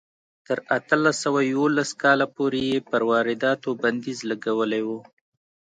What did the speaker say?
تر اتلس سوه یوولس کاله پورې یې پر وارداتو بندیز لګولی و.